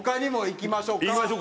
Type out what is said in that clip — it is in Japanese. いきましょうか。